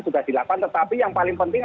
sudah dilakukan tetapi yang paling penting